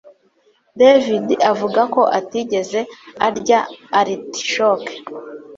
David avuga ko atigeze arya artichoke